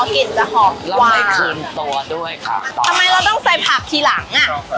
อ๋อกลิ่นจะหอบกว่าแล้วไม่คืนตัวด้วยค่ะทำไมเราต้องใส่ผักทีหลังอ่ะ